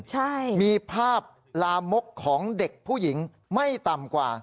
ใช่มีภาพลามกของเด็กผู้หญิงไม่ต่ำกว่า